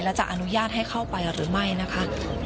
และจะอนุญาตให้เข้าไปหรือไม่นะคะ